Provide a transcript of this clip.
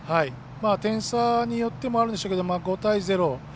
点差によってもあるんでしょうけど、５対０。